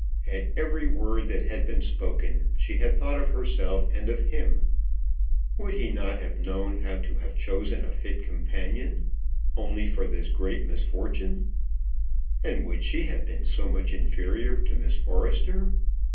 At every word that had been spoken she had thought of herself and of him. Would he not have known how to have chosen a fit companion, only for this great misfortune? And would she have been so much inferior to Miss Forrester?